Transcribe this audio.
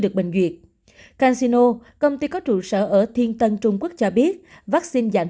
được bình duyệt casino công ty có trụ sở ở thiên tân trung quốc cho biết vaccine dạng